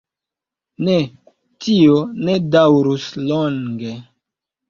Ne, tio ne daŭrus longe.